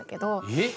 えっ！？